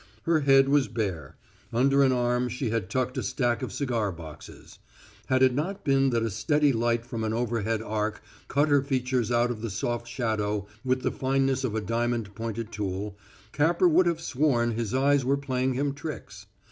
Her head was bare. Under an arm she had tucked a stack of cigar boxes. Had it not been that a steady light from an overhead arc cut her features out of the soft shadow with the fineness of a diamond pointed tool, Capper would have sworn his eyes were playing him tricks.